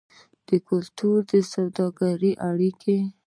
د کلتور او سوداګرۍ اړیکې.